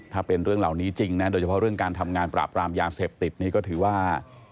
ถ้าเป็นเรื่องเหล่านี้จริงนะโดยเฉพาะเรื่องการทำงานปราบรามยาเสพติดนี่ก็ถือว่า